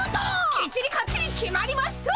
きっちりかっちり決まりました！